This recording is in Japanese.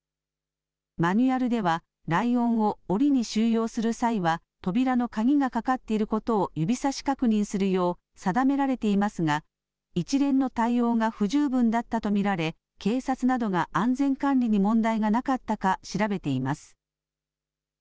マニュアルではライオンをおりに収容する際は、扉の鍵がかかっていることを指さし確認するよう定められていますが、一連の対応が不十分だったと見られ、警察などが安全管理に問題がなかったか調べています。